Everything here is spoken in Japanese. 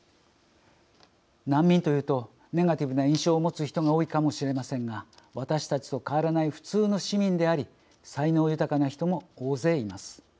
難民というとネガティブな印象を持つ人が多いかもしれませんが私たちと変わらない普通の市民であり才能豊かな人も大勢います。